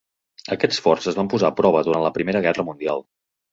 Aquests forts es van posar a prova durant la Primera Guerra Mundial.